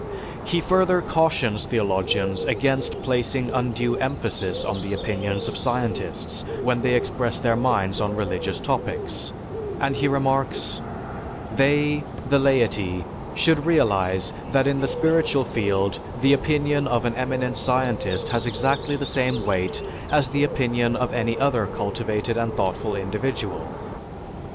He further cautions theologians against placing undue emphasis on the opinions of scientists when they express their minds on religious topics, and he remarks: "They (the laity) should realize that in the spiritual field the opinion of an eminent scientist has exactly the same weight as the opinion of any other cultivated and thoughtful individual."